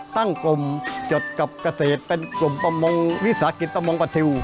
กลุ่มจดกับเกษตรเป็นกลุ่มประมงวิสาหกิจประมงประทิว